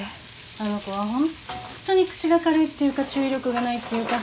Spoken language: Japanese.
あの子はホンットに口が軽いっていうか注意力がないっていうか。